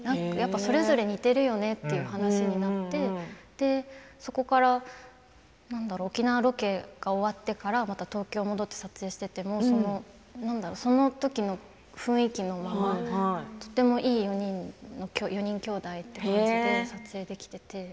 それぞれ似ているよねという話になってそこから沖縄ロケが終わってからまた東京に戻って撮影していてもそのときの雰囲気のままとてもいい４人の４人きょうだいという感じで撮影できていて。